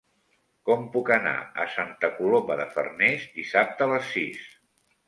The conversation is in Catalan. Com puc anar a Santa Coloma de Farners dissabte a les sis?